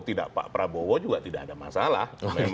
tidak pak prabowo juga tidak ada masalah